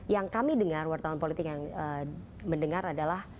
yang kami dengar wartawan politik yang mendengar adalah